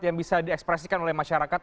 yang bisa diekspresikan oleh masyarakat